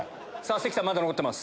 関さんまだ残ってます。